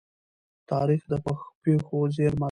تاریخ د پېښو زيرمه ده.